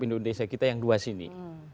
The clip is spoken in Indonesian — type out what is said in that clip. indonesia kita yang luas ini